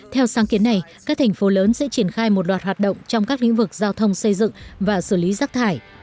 theo sáng kiến này các thành phố lớn sẽ triển khai một loạt hoạt động trong các lĩnh vực giao thông xây dựng và xử lý rác thải